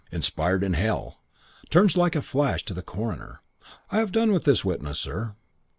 Inspired in hell. Turns like a flash to the coroner. 'I have done with this witness, sir.'